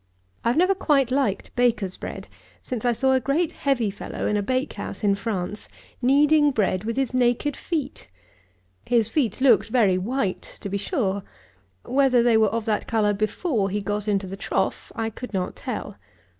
I have never quite liked baker's bread since I saw a great heavy fellow, in a bakehouse in France, kneading bread with his naked feet! His feet looked very white, to be sure: whether they were of that colour before he got into the trough I could not tell.